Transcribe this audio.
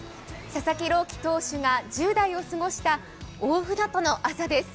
佐々木朗希投手が１０代を過ごした大船渡の朝です。